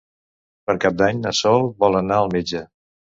Per Cap d'Any na Sol vol anar al metge.